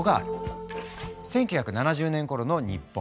１９７０年ごろの日本。